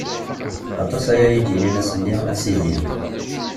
Aṭas ara yi-d-yinin ass-nni: A Sidi!